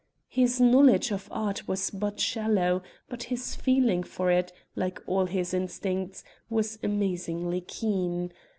His knowledge of art was but shallow, but his feeling for it, like all his instincts, was amazingly keen.